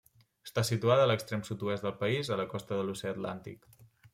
Està situada a l'extrem sud-oest del país, a la costa de l'Oceà Atlàntic.